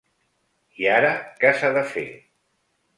I ara què s’ha de fer?